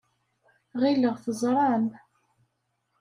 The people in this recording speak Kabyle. Ɣileɣ teẓram.